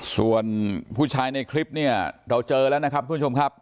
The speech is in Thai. ส่วนผู้ชายในคลิปเนี่ยเราเจอแล้วนะครับทุกผู้ชมครับ